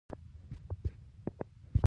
دا د ښکلا پېژندنې حس پر بنسټ وي.